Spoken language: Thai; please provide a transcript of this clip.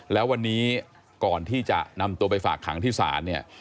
แล้ววันนี้ก่อนที่จะนำตัวไปฝากขังที่ศาลเนี่ย